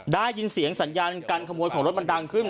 ได้ยินเสียงสัญญาการขโมยของรถมันดังขึ้น